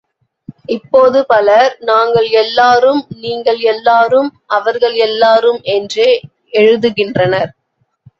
இப்போது பலர் நாங்கள் எல்லாரும், நீங்கள் எல்லாரும், அவர்கள் எல்லாரும் என்றே எழுதுகின்றனர்.